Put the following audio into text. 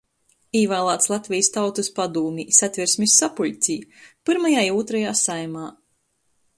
Īvālāts Latvejis Tautys padūmē, Satversmis sapuļcē, pyrmajā i ūtrajā Saeimā,